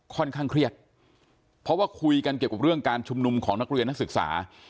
ค่อนข้างเครียดเพราะว่าคุยกันเกี่ยวกับเรื่องการชุมนุมของนักเรียนนักศึกษา